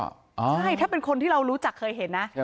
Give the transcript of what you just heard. ใช่ถ้าเป็นคนที่เรารู้จักเคยเห็นนะ